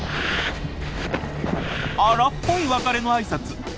荒っぽい別れの挨拶！